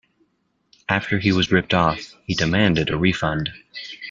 After he was ripped off, he demanded a refund.